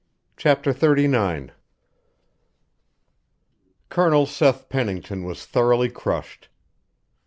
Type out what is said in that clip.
CHAPTER XXXIX Colonel Seth Pennington was thoroughly crushed.